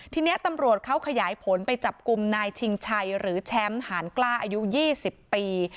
ทีนี้ตำรวจเขาขยายผลไปจับกลุ่มนายชิงชัยหรือแชมป์หานกล้าอายุ๒๐ปี